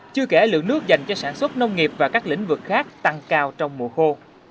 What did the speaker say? chưa kể lượng nước dành cho sản xuất nông nghiệp và các lĩnh vực khác tăng cao trong mùa khô